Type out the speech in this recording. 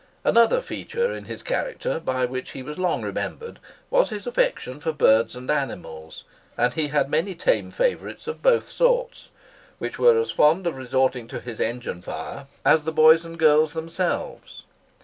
Another feature in his character, by which he was long remembered, was his affection for birds and animals; and he had many tame favourites of both sorts, which were as fond of resorting to his engine fire as the boys and girls themselves.